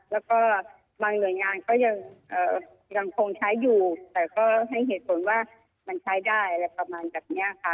แล้วก็บางหน่วยงานก็ยังคงใช้อยู่แต่ก็ให้เหตุผลว่ามันใช้ได้อะไรประมาณแบบนี้ค่ะ